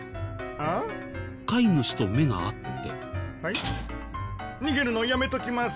飼い主と目が合って。